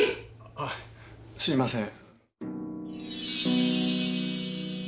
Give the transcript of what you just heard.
あっすいません。